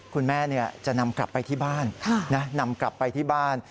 คุณแม่จะนำกลับไปที่บ้าน